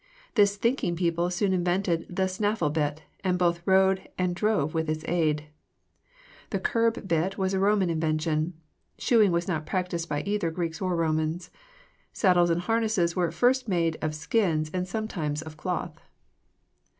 This thinking people soon invented the snaffle bit, and both rode and drove with its aid. The curb bit was a Roman invention. Shoeing was not practiced by either Greeks or Romans. Saddles and harnesses were at first made of skins and sometimes of cloth.